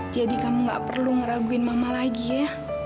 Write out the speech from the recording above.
jadi kamu gak perlu ngeraguin mama lagi ya